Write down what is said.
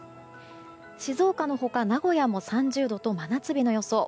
静岡の他、名古屋も３０度と真夏日の予想。